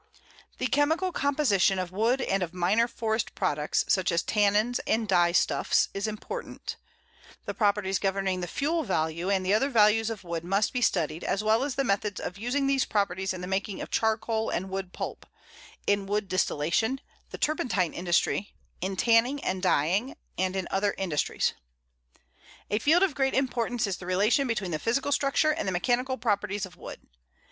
The chemical composition of wood and of minor forest products, such as tannins and dye stuffs, is important; the properties governing the fuel value and the other values of wood must be studied, as well as the methods of using these properties in the making of charcoal and wood pulp, in wood distillation, the turpentine industry, in tanning and dyeing, and in other industries. A field of great importance is the relation between the physical structure and the mechanical properties of wood.